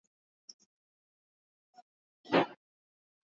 Mama ari lala ana lota bana iba mpango yake